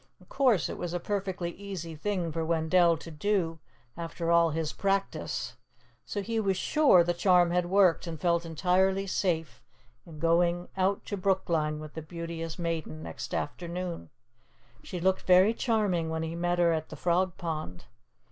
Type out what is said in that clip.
Of course, it was a perfectly easy thing for Wendell to do, after all his practice; so he was sure the charm had worked, and felt entirely safe in going out to Brookline with the Beauteous Maiden next afternoon. She looked very charming when he met her at the Frog Pond.